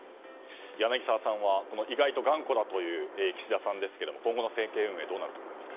柳澤さんは意外と頑固だという岸田さんですが今後の政権運営はどうなると思いますか？